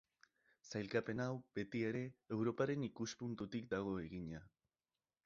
Sailkapen hau, beti ere, Europaren ikuspuntutik dago egina.